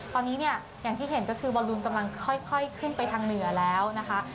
ตอนนี้เนี่ยอย่างที่เห็นก็คือบอลลูนกำลังค่อยขึ้นไปทางเหนือแล้วนะคะ